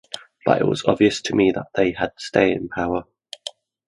But it was obvious to me that they had staying power.